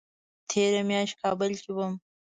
تېره میاشت کابل کې وم